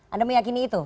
anda meyakini itu